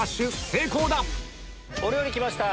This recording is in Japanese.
成功だお料理来ました！